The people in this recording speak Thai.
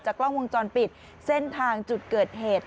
กล้องวงจรปิดเส้นทางจุดเกิดเหตุ